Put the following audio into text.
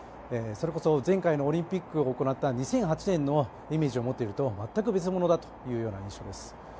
それこそ前回のオリンピックを行った２００８年のイメージを持っていると全く別物だというような印象です。